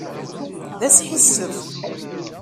D asḥissef!